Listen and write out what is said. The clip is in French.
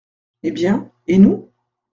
Eh bien, et nous ?